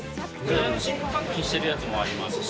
真空パックにしてるやつもありますし。